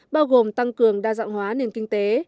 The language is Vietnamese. bao gồm tăng cường đa dạng hóa nền kinh tế